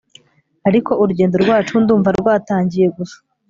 ariko urugendo rwacu, ndumva rwatangiye gusa